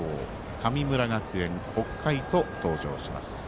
神村学園、北海と登場します。